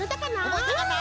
おぼえたかな？